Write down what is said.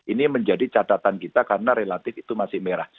ini menjadi catatan kita karena relatif itu masih merah